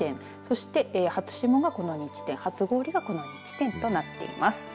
そして、初霜がこの２地点そして初氷がこの２地点になってます。